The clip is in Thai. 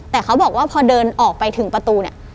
แต่เขาบอกว่าพอเดินออกไปถึงประตูเนี่ย